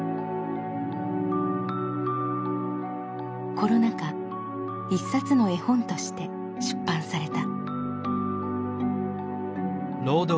コロナ禍一冊の絵本として出版された。